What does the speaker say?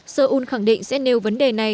seoul khẳng định sẽ nêu vấn đề này